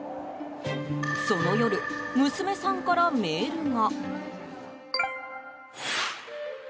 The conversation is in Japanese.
その夜、娘さんからメールが。